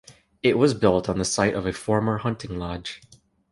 It was built on the site of a former hunting lodge.